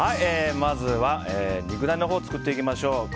まずは肉ダネのほうを作っていきましょう。